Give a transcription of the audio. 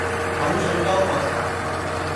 口水多過茶